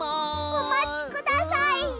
おまちください！うっ！